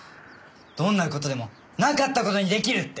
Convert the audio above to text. どんな事でもなかった事に出来るって！